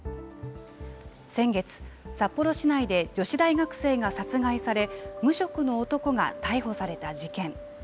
先月、札幌市内で女子大学生が殺害され、無職の男が逮捕された事件。